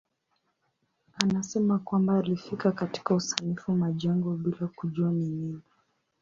Anasema kwamba alifika katika usanifu majengo bila kujua ni nini.